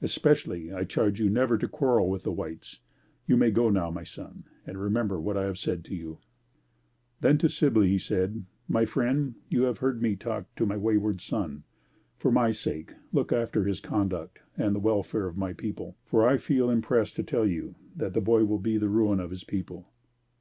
Especially, I charge you never to quarrel with the whites. You may go now my son, and remember what I have said to you." Then to Sibley, he said, "My friend, you have heard me talk to my wayward son. For my sake, look after his conduct and the welfare of my people, for I feel impressed to tell you that that boy will be the ruin of his people."